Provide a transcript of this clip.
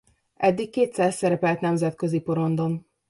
Eddig kétszer szerepelt nemzetközi porondon.